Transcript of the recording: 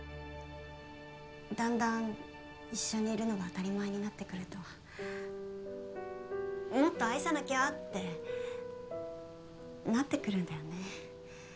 だんだん一緒にいるのが当たり前になってくるともっと愛さなきゃってなってくるんだよね。